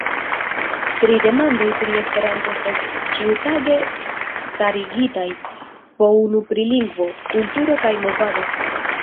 Tri demandoj pri Esperanto estas ĉiutage starigitaj: po unu pri lingvo, kulturo kaj movado.